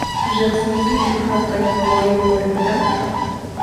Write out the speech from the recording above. Riqsinkichu haqay wawayuq warmita?